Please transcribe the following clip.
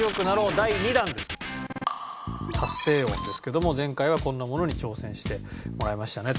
達成音ですけども前回はこんなものに挑戦してもらいましたねと。